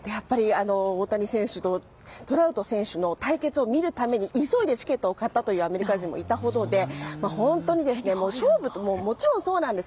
大谷選手とトラウト選手の対決を見るために急いでチケットを買ったというアメリカ人もいたほどで本当に勝負ももちろんそうなんです。